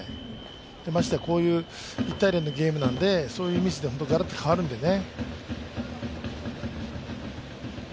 ましてやこういう１−０のゲームなんで、そういうミスでガラッと変わるんでね。